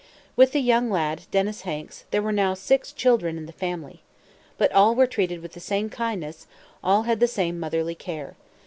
With the young lad, Dennis Hanks, there were now six children in the family. But all were treated with the same kindness; all had the same motherly care.